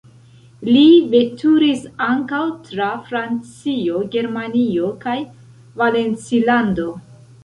Li veturis ankaŭ tra Francio, Germanio kaj Valencilando.